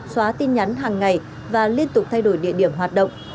xóa tin nhắn hàng ngày và liên tục thay đổi địa điểm hoạt động